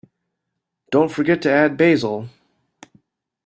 Don't forget to add Basil.